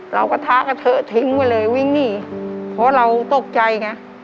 เราก็ท้าแค่เถอะจะทิ้งไว้เลยวิ่งหนี้เพราะเราตกใจไง